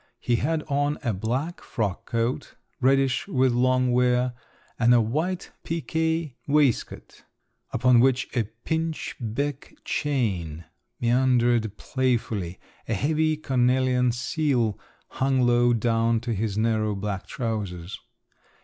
He had on a black frock coat, reddish with long wear, and a white piqué waistcoat, upon which a pinchbeck chain meandered playfully; a heavy cornelian seal hung low down on to his narrow black trousers.